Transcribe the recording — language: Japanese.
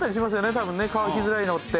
多分ね乾きづらいのって。